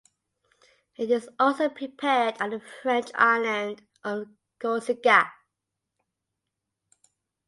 It is also prepared on the French island of Corsica.